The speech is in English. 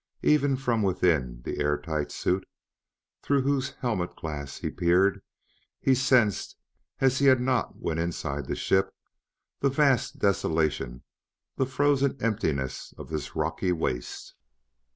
Even from within the air tight suit, through whose helmet glass he peered, he sensed, as he had not when inside the ship, the vast desolation, the frozen emptiness of this rocky waste.